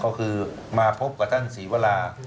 ก็คือมาพบกับท่านศรีวรา